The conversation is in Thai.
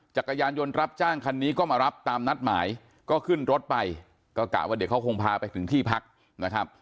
จักรยานยนต์รับจ้างคันนี้ก็มารับตามนัดหมายก็ขึ้นรถไปก็กะว่าเดี๋ยวเขาคงพาไปถึงที่พักนะครับ